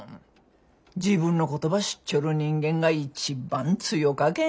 自分のことば知っちょる人間が一番強かけん。